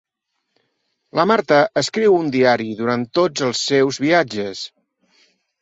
La Marta escriu un diari durant tots els seus viatges